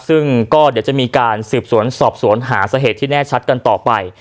ซึ่งก็เดี๋ยวจะมีการสืบสวนสอบสวนหาสาเหตุที่แน่ชัดกันต่อไป